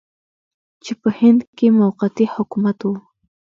چې په هند کې موقتي حکومت و.